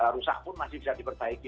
rusak pun masih bisa diperbaiki